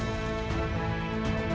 yang selalu memberikan kieran